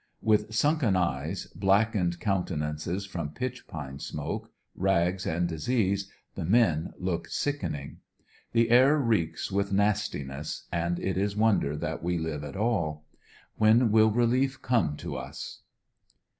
With sunken eyes, blackened countenances from pitch pine smoke, rags and disease, the men look sickening The air reeks with nas tiness, and it is wonder that w^e live at all . When will relief come to us?